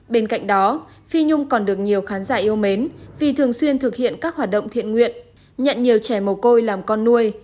bên cạnh đó phi nhung còn được nhiều khán giả yêu mến vì thường xuyên thực hiện các hoạt động thiện nguyện nhận nhiều trẻ mồ côi làm con nuôi